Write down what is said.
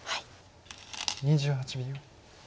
２８秒。